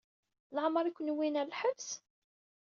Leɛmeṛ i ken-wwin ɣer lḥebs?